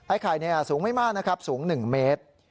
ไอ้ไข่สูงไม่มากสูง๑เมตร